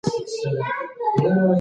غصه د عقل دښمنه ده.